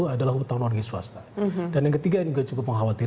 kalau yang umur daftar pihak pihakupsi dan vom di daftar